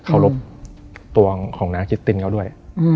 เคารพตัวของน้าคิตตินเขาด้วย